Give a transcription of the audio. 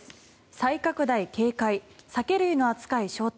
再拡大警戒酒類の扱い、焦点。